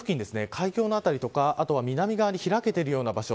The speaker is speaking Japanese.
海峡の辺りとか南側に開けているような場所